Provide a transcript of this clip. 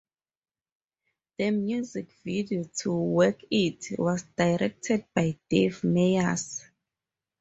The music video to "Work It" was directed by Dave Meyers.